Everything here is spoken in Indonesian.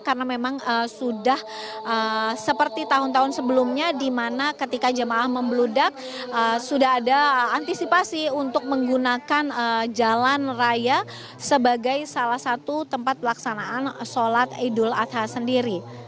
karena memang sudah seperti tahun tahun sebelumnya dimana ketika jemaah membeludak sudah ada antisipasi untuk menggunakan jalan raya sebagai salah satu tempat pelaksanaan sholat idul adha sendiri